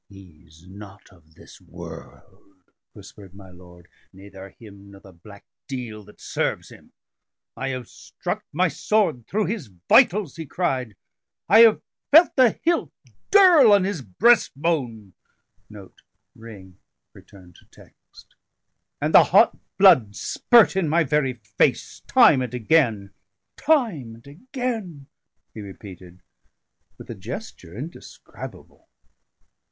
"He's not of this world," whispered my lord, "neither him nor the black deil that serves him. I have struck my sword throughout his vitals," he cried; "I have felt the hilt dirl on his breastbone, and the hot blood spirt in my very face, time and again, time and again!" he repeated, with a gesture indescribable.